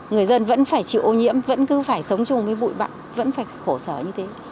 người dân vẫn phải chịu ô nhiễm vẫn cứ phải sống chung với bụi bặn vẫn phải khổ sở như thế